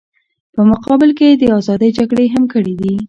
په مقابل کې یې د ازادۍ جګړې هم کړې دي.